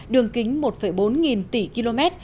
đường kính một bốn nghìn tỷ km